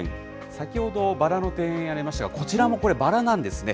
先ほど、バラの庭園がありましたが、こちらもバラなんですね。